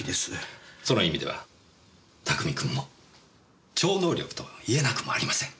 その意味では拓海君も超能力と言えなくもありません。